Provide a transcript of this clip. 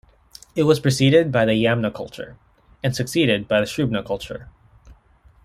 It was preceded by the Yamna culture, and succeeded by the Srubna culture.